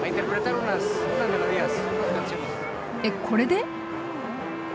これで？